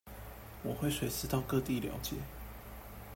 我會隨時到各地了解